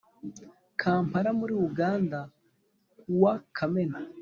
Kampala muri Uganda ku wa Kamena